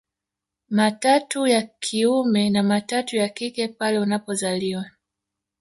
Matatu ya kiume na matatu ya kike pale unapozaliwa